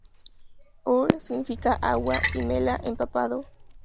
Ur-, significa agua, y mela-, empapado.